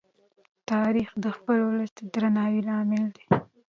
تاریخ د خپل ولس د درناوي لامل دی.